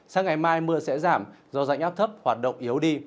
sáng ngày mai mưa sẽ giảm do dãnh áp thấp hoạt động yếu đi